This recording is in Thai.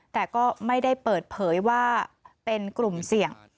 แต่ก็ไม่ได้เปิดเผยว่าเป็นกลุ่มเสี่ยง